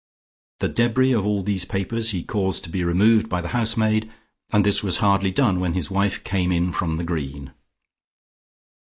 The debris of all these papers he caused to be removed by the housemaid, and this was hardly done when his wife came in from the Green.